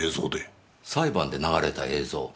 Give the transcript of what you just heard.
裁判で流れた映像。